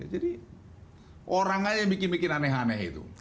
jadi orang aja yang bikin bikin aneh aneh itu